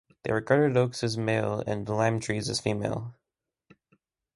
They regarded oaks as male and lime-trees as female.